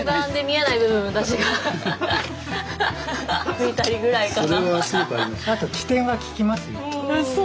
見たりぐらいかな。